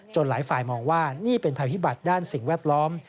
หลายฝ่ายมองว่านี่เป็นภัยพิบัติด้านสิ่งแวดล้อม